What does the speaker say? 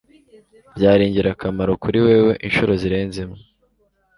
byari ingirakamaro kuri wewe inshuro zirenze imwe